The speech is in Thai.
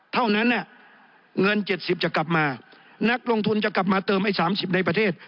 เท่านั้นเงิน๗๐จะกลับมานักลงทุนจะกลับมาเติมไอ้๓๐ในประเทศ